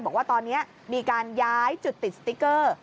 บอกว่าตอนนี้มีการย้ายจุดติดสติ๊กเกอร์